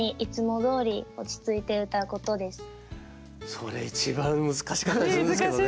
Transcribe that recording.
それ一番難しかったりするんですけどね。